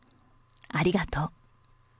ありがとう。